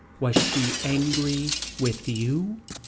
Was she angry with you.